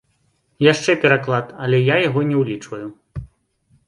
Яшчэ пераклад, але яго я не ўлічваю.